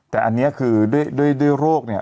แต่อันนี้คือด้วยโรคเนี่ย